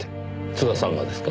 津田さんがですか？